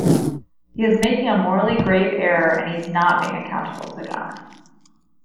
He is making a morally grave error and he's not being accountable to God...